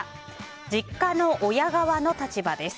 実家の親側の立場です。